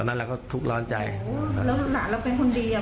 นั้นเราก็ทุกข์ร้อนใจโอ้ลักษณะเราเป็นคนดีอ่ะ